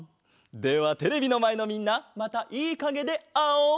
ではテレビのまえのみんなまたいいかげであおう！